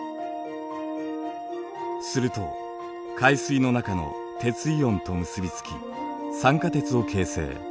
すると海水の中の鉄イオンと結び付き酸化鉄を形成。